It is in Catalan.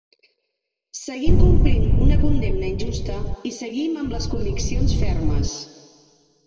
Seguim complint una condemna injusta i seguim amb les conviccions fermes.